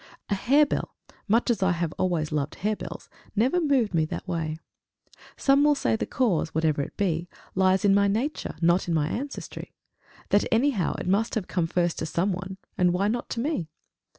A harebell, much as I have always loved harebells, never moved me that way! Some will say the cause, whatever it be, lies in my nature, not in my ancestry; that, anyhow, it must have come first to some one and why not to me?